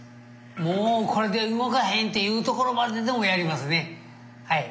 もうこれで動かへんっていうところまででもやりますねはい。